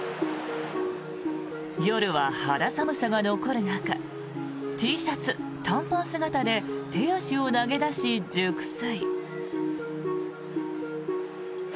夜は肌寒さが残る中Ｔシャツ、短パン姿で手足を投げ出し、熟睡。